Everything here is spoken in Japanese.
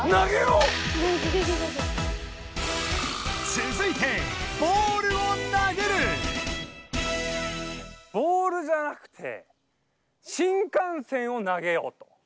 つづいてボールじゃなくて新幹線を投げよう！え？